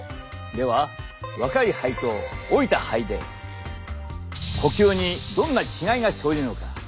では若い肺と老いた肺で呼吸にどんな違いが生じるのか？